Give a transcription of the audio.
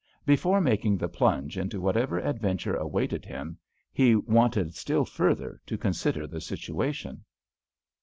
Before making the plunge into whatever adventure awaited him, he wanted still further to consider the situation.